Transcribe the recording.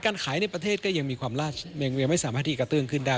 การขายในประเทศก็ยังมีความลาดยังไม่สามารถที่กระเตื้องขึ้นได้